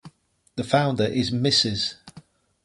The founder is Mrs.